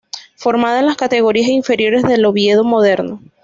Formada en las categorías inferiores del Oviedo Moderno.